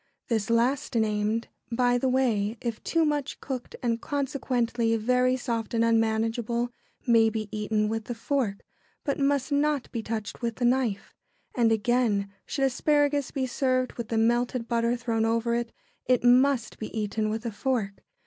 ] This last named, by the way, if too much cooked, and consequently very soft and unmanageable, may be eaten with the fork, but must not be touched with the knife. And again, should asparagus be served with the melted butter thrown over it, it must be eaten with a fork.